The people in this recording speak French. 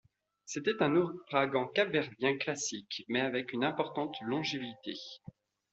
C'était un ouragan capverdien classique, mais avec une importante longévité.